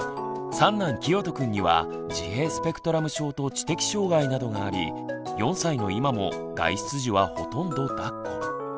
三男きよとくんには自閉スペクトラム症と知的障害などがあり４歳の今も外出時はほとんどだっこ。